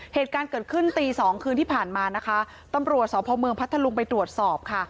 เหตุการณ์เกิดขึ้นตีสองคืนที่ผ่านมานะคะตำรวจสพเมืองพัทธลุงไปตรวจสอบค่ะ